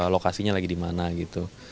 lokasinya lagi dimana gitu